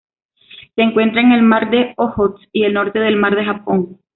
Se encuentra en el Mar de Ojotsk y el norte del Mar del Japón.